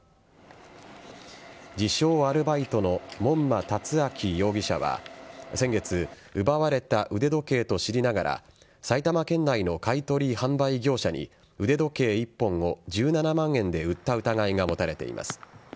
自称・アルバイトの門間辰光容疑者は先月奪われた腕時計と知りながら埼玉県内の買取販売業者に腕時計１本を１７万円で売った疑いが持たれています。